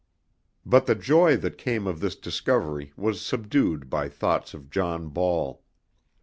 But the joy that came of this discovery was subdued by thoughts of John Ball.